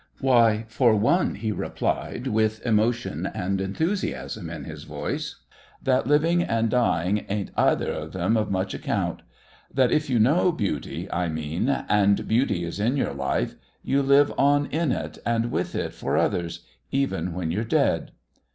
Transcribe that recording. "Why, for one," he replied with emotion and enthusiasm in his voice, "that living and dying ain't either of them of much account. That if you know Beauty, I mean, and Beauty is in your life, you live on in it and with it for others even when you're dead."